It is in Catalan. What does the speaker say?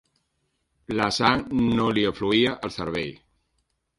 La sang no li afluïa al cervell.